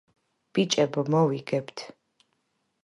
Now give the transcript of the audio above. ბიჭებო მოგიგებთ